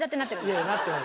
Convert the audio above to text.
いやなってない。